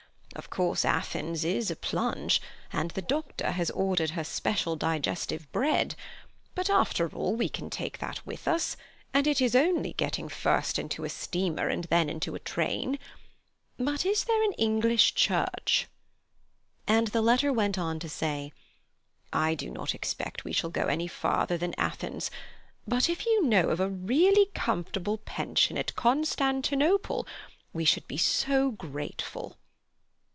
Of course, Athens is a plunge, and the doctor has ordered her special digestive bread; but, after all, we can take that with us, and it is only getting first into a steamer and then into a train. But is there an English Church?" And the letter went on to say: "I do not expect we shall go any further than Athens, but if you knew of a really comfortable pension at Constantinople, we should be so grateful."